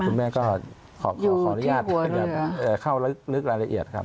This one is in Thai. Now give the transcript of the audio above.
คุณแม่ก็ขออนุญาตเข้าลึกรายละเอียดครับ